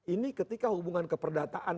ini ketika hubungan keperdataan